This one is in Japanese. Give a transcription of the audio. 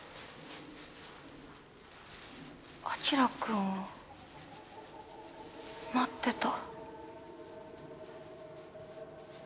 晶くんを待ってた。